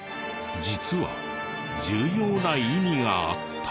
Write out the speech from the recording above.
実は重要な意味があった。